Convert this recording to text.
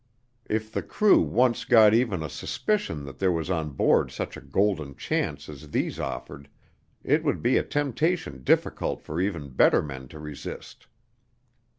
If the crew once got even a suspicion that there was on board such a golden chance as these offered, it would be a temptation difficult for even better men to resist.